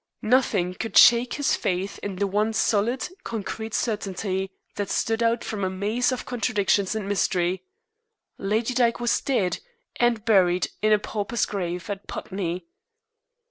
Nothing could shake his faith in the one solid, concrete certainty that stood out from a maze of contradictions and mystery Lady Dyke was dead, and buried in a pauper's grave at Putney.